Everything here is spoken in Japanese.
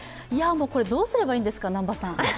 もうこれ、どうすればいいんですか、南波さん。